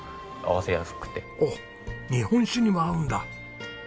おっ日本酒にも合うんだ。